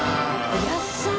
おやっさん